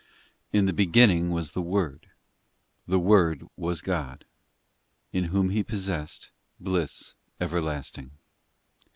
IN the beginning was the Word, The Word was God, In Whom He possessed Bliss everlasting.